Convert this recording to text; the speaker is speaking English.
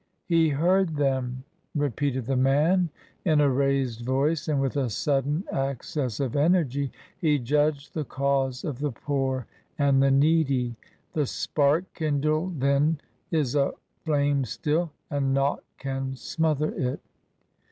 Ay ! He heard them," repeated the man, in a raised voice and with a sudden access of energy. He judged the cause of the poor and the needy ^ The spark kindled then is a flame still ; and nought can smother it."